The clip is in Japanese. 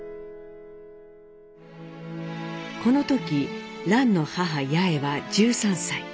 この時蘭の母八重は１３歳。